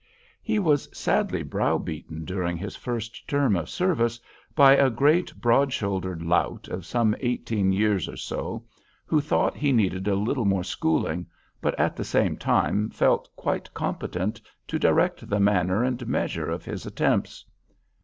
He was sadly brow beaten during his first term of service by a great broad shouldered lout of some eighteen years or so, who thought he needed a little more "schooling," but at the same time felt quite competent to direct the manner and measure of his attempts.